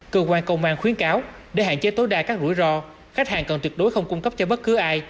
cơ quan công an khuyến cáo để hạn chế tối đa các rủi ro khách hàng cần tuyệt đối không cung cấp cho bất cứ ai